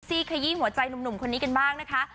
ขยี้หัวใจหนุ่มคนนี้กันบ้างนะคะ